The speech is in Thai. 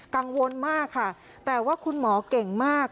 กังวลมากค่ะแต่ว่าคุณหมอเก่งมาก